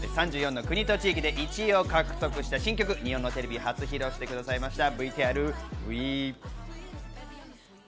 ３４の国と地域で１位を獲得した新曲、日本のテレビ初披露してくださいました。